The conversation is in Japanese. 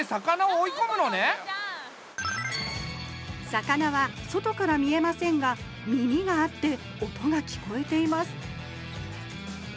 魚は外から見えませんが耳があって音が聞こえています